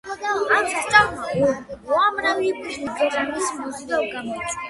ამ სასწაულმა უამრავი პილიგრიმის მოზიდვა გამოიწვია.